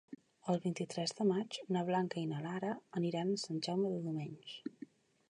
El vint-i-tres de maig na Blanca i na Nara aniran a Sant Jaume dels Domenys.